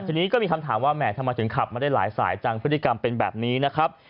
ทีนี้ก็มีคำถามว่าแหมทำไมถึงขับมาได้หลายสายจังพฤติกรรมเป็นแบบนี้นะครับ